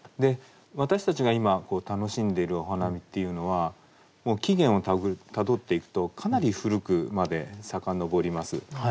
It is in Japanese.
私たちが今楽しんでるお花見っていうのは起源をたどっていくとかなり古くまで遡ります。